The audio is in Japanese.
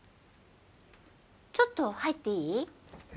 ちょっと入っていい？え？